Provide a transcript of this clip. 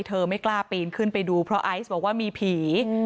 ไม่กล้าปีนขึ้นไปดูเพราะไอซ์บอกว่ามีผี